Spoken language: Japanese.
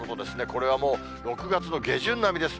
これはもう、６月の下旬並みです。